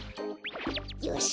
よし。